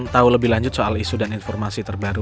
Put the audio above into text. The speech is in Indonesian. tau lebih lanjut soal isu dan informasi terbaru